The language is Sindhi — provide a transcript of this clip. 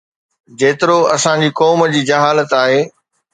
جيترو اسان جي قوم جي جهالت آهي